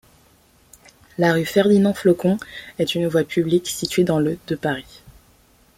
La rue Ferdinand-Flocon est une voie publique située dans le de Paris.